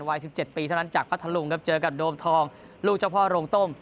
วัย๑๗ปีเท่านั้นจากพัทธลุงครับเจอกับโดมทองลูกเจ้าพ่อโรงต้ม